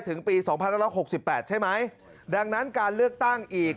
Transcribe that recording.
ถึงปี๒๑๖๘ใช่ไหมดังนั้นการเลือกตั้งอีก